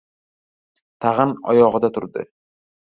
Tag‘in oyog‘ida turdi.